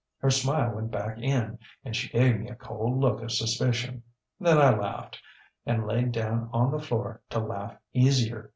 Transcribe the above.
Her smile went back in and she gave me a cold look of suspicion. Then I laughed, and laid down on the floor to laugh easier.